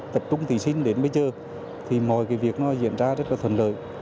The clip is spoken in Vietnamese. tập trung thí sinh đến bây giờ thì mọi cái việc nó diễn ra rất là thuận lợi